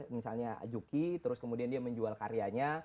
misalnya juki terus kemudian dia menjual karyanya